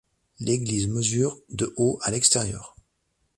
L’église mesure de haut à l’extérieur.